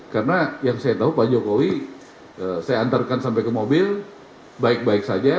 karena yang saya tahu pak jokowi saya antarkan sampai ke mobil baik baik saja